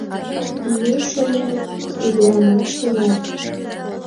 Ну, шонем, ӱдырамаш улат!